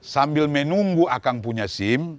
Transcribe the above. sambil menunggu akang punya sim